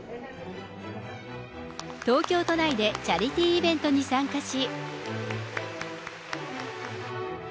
東京都内でチャリティーイベントに参加し。